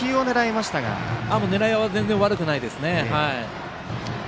狙いは悪くないですね。